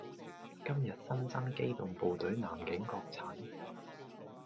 今日新增機動部隊男警確診